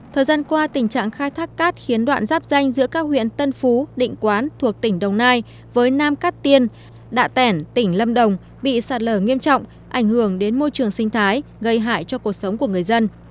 thời gian qua tình trạng khai thác cát khiến đoạn giáp danh giữa các huyện tân phú định quán thuộc tỉnh đồng nai với nam cát tiên đạ tẻn tỉnh lâm đồng bị sạt lở nghiêm trọng ảnh hưởng đến môi trường sinh thái gây hại cho cuộc sống của người dân